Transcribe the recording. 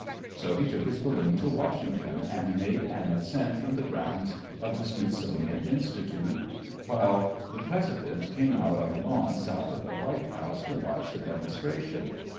So he took his balloon to Washington and made an ascent from the grounds of the Smithsonian Institution, while the President came out on the lawn south of the White House to watch the demonstration.